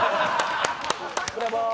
ブラボー。